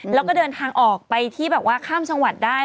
แล้วก็เดินทางออกไปที่แบบว่า